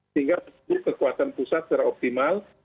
sehingga kekuatan pusat secara optimal